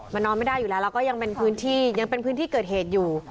มันนอนไม่ได้อยู่แล้วแล้วก็ยังเป็นพื้นที่เกิดเหตุอยู่